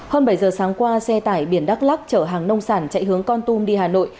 hơn bảy giờ sáng qua xe tải biển đắk lắc chở hàng nông sản chạy hướng con tum đi hà nội